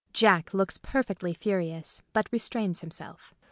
[Jack looks perfectly furious, but restrains himself.